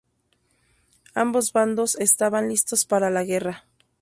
Ambos bandos estaban listos para la guerra.